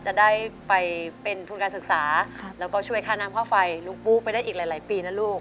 จะได้ไปเป็นทุนการศึกษาแล้วก็ช่วยค่าน้ำค่าไฟลุงปุ๊ไปได้อีกหลายปีนะลูก